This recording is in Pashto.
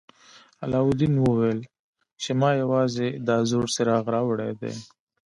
علاوالدین وویل چې ما یوازې دا زوړ څراغ راوړی دی.